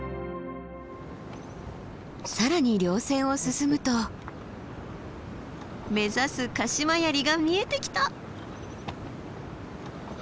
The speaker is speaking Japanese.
更に稜線を進むと目指す鹿島槍が見えてきた！